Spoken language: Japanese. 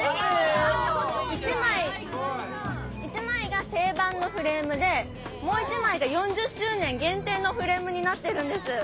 一枚が定番のフレームで、もう一枚が４０周年限定のフレームになってるんです。